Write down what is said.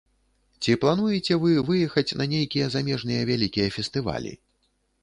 Ці плануеце вы выехаць на нейкія замежныя вялікія фестывалі?